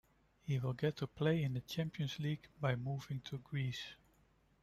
He will get to play in the Champions League by moving to Greece.